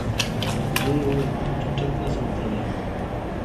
زوی یې وویل چټک نه سمه تللای